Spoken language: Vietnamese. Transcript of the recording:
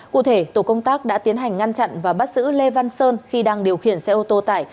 cụ thể tổ công tác đã tiến hành ngăn chặn và bắt giữ lê văn sơn khi đang điều khiển xe ô tô tải